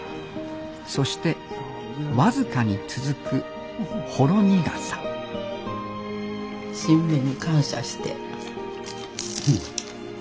そして僅かに続くほろ苦さ新芽に感謝して。